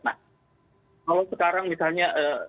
nah kalau sekarang misalnya